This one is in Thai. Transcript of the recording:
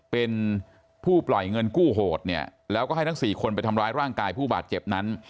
เป็นผู้ปล่อยเงินกู้โหดเนี่ยแล้วก็ให้ทั้ง๔คนไปทำร้ายร่างกายผู้บาดเจ็บนั้น